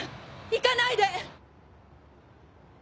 行かないで！